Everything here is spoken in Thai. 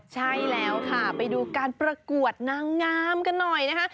ใช่แล้วค่ะไปดูการประกวดนางงามกันหน่อยนะคะ